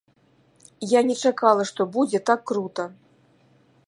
Я не чакала, што будзе так крута.